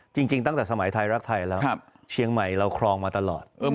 จริงตั้งแต่สมัยไทยรักไทยแล้วเชียงใหม่เราครองมาตลอด